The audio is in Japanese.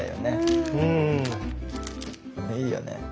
いいよね。